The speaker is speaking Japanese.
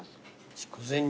筑前煮。